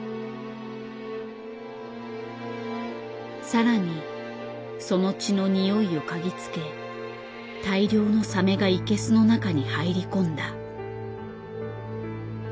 更にその血のにおいを嗅ぎつけ大量のサメがイケスの中に入り込んだ。